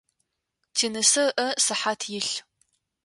Тинысэ ыӏэ сыхьат илъ.